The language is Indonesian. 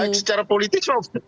baik secara politik